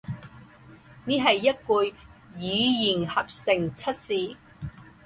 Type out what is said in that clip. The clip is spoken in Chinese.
这是一句语音合成测试